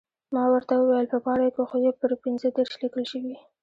ما ورته وویل، په پاڼه کې خو یو پر پنځه دېرش لیکل شوي.